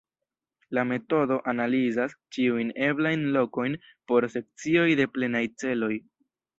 La metodo analizas ĉiujn eblajn lokojn por sekcioj de plenaj ĉeloj.